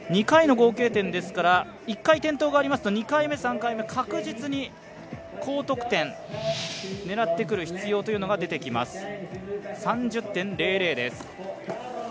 ２回の合計点ですから１回、転倒がありますと２回目、３回目、確実に高得点を狙ってくる必要が出てきます。